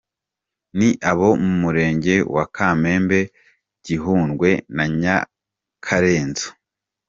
Ni abo mu Murenge wa Kamembe, Gihundwe na Nyakarenzo.